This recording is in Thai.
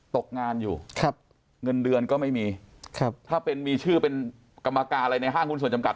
ตกงานอยู่ครับเงินเดือนก็ไม่มีครับถ้าเป็นมีชื่อเป็นกรรมการอะไรในห้างหุ้นส่วนจำกัด